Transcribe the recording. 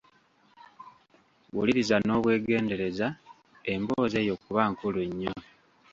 Wuliriza n'obwegendereza emboozi eyo kuba nkulu nnyo.